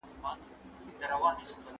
يو سړی په کمپيوټر کي راپور ليکي.